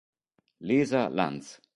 Lisa Lantz